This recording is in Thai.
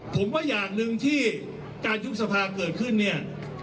ผมว่าอย่างหนึ่งที่การยุบสภาเกิดขึ้นเนี่ย